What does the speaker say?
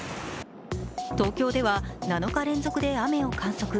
東京では７日連続で雨を観測。